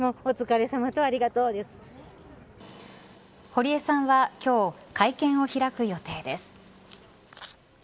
堀江さんは今日、会見を開く予定です。